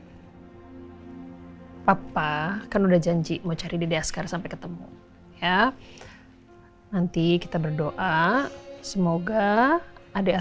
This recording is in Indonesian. hai papa kan udah janji mau cari dede askara sampai ketemu ya nanti kita berdoa semoga ada